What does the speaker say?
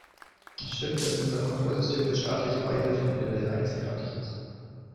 Es stimmt, dass unser Kontrollsystem für staatliche Beihilfen in der Welt einzigartig ist.